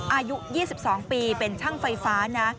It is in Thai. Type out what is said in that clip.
อายุ๒๒ปีเป็นช่างไฟฟ้านะ